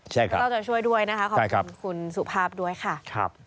ใช่ครับแล้วเราจะช่วยด้วยนะคะใช่ครับขอบคุณคุณสุภาพด้วยค่ะครับ